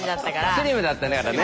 スリムだったからね。